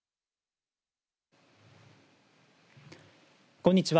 こんにちは。